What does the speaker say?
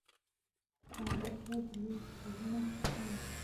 د کانادا د هېواد لوی جهیلونه کوم دي؟